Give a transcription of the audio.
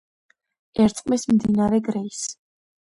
ერწყმის მდინარე გრეის.